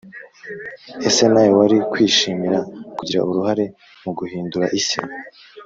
ese nawe wari kwishimira kugira uruhare mu guhindura isi